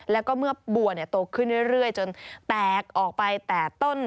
แล้วก็เมื่อบัวโตขึ้นเรื่อยจนแตกออกไปแต่ต้น